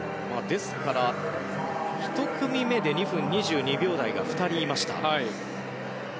ですから、１組目で２分２２秒台が２人いました。